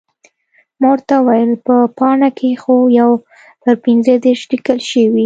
ما ورته وویل، په پاڼه کې خو یو پر پنځه دېرش لیکل شوي.